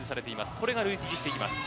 これが累積していきます。